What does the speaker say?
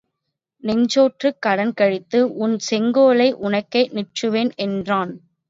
செஞ்சோற்றுக் கடன் கழித்து உன் செங் கோலை உனக்கே நிறுத்துவேன் என்றான்.